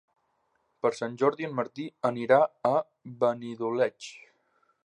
Per Sant Jordi en Martí anirà a Benidoleig.